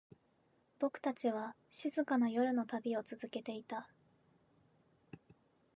僕たちは、静かな夜の旅を続けていた。